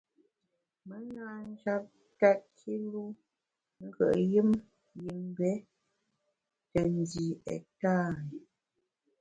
Me na njap tèt kilu ngùet yùm yim mbe te ndi ektari.